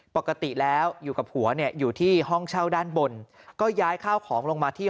ปกติแล้วอยู่กับผัวเนี่ยอยู่ที่ห้องเช่าด้านบนก็ย้ายข้าวของลงมาที่